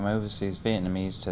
mỗi người đồng tình